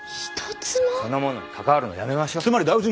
そんなものに関わるのやめましょう。